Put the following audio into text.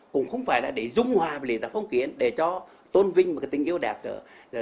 cũng không phải là để dung hòa với lễ giáo phong kiến để cho tôn vinh một cái tình yêu đẹp trở